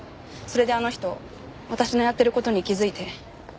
それであの人私のやってる事に気づいて。